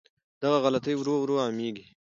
دغه غلطۍ ورو ورو عامېږي.